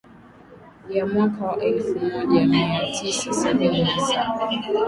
Ya mwaka wa elfu moja mia tisa sabini na saba